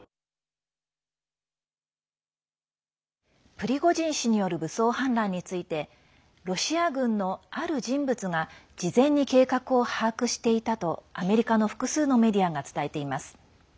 プリゴジン氏による武装反乱についてロシア軍のある人物が事前に計画を把握していたとアメリカの複数のメディアが伝えています。